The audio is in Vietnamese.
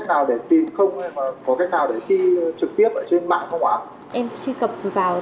thì bây giờ em có cái cách nào để tìm không hay mà có cách nào để thi trực tiếp ở trên mạng không ạ